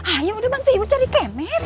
ayo bantu ibu cari kemet